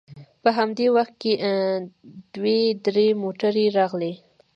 په همدې وخت کې دوې درې موټرې راغلې.